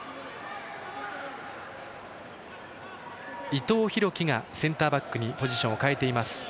伊藤洋輝がセンターバックにポジションを変えています